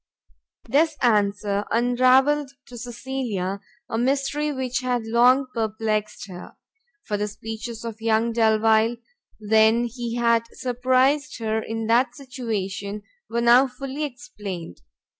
This answer unravelled to Cecilia a mystery which had long perplext her; for the speeches of young Delvile when he had surprised her in that situation were now fully explained.